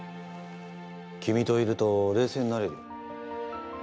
君といると冷静になれるよ。